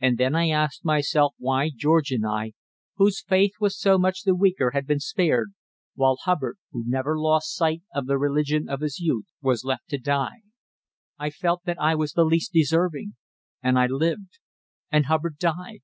And then I asked myself why George and I, whose faith was so much the weaker, had been spared, while Hubbard, who never lost sight of the religion of his youth, was left to die. I felt that I was the least deserving. And I lived. And Hubbard died.